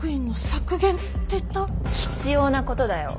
必要なことだよ。